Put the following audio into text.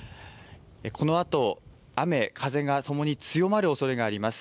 このあと雨、風がともに強まるおそれがあります。